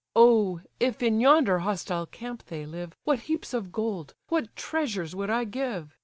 Oh! if in yonder hostile camp they live, What heaps of gold, what treasures would I give!